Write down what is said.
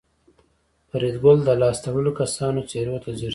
فریدګل د لاس تړلو کسانو څېرو ته ځیر شو